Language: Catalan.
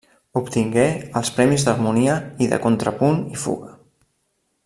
Obtingué els Premis d'Harmonia i de Contrapunt i Fuga.